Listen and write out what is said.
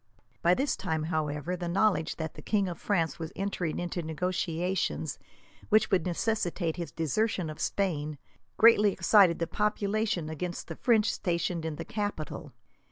By this time, however, the knowledge that the king of France was entering into negotiations, which would necessitate his desertion of Spain, greatly excited the population against the French stationed in the capital.